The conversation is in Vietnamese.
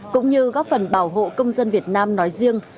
cũng như góp phần bảo hộ công dân việt nam nói riêng